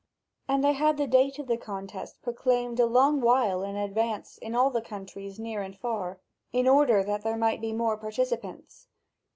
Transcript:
And they had the date of the contest proclaimed s long while in advance in all the countries near and far, in order that there might be more participants.